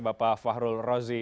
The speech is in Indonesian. bapak fahrul rozi